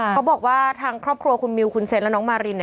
เขาบอกว่าทางครอบครัวคุณมิวคุณเซนและน้องมาริน